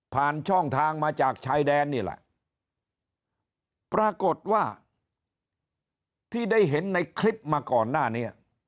ช่องทางมาจากชายแดนนี่แหละปรากฏว่าที่ได้เห็นในคลิปมาก่อนหน้านี้